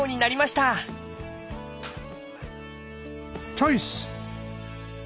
チョイス！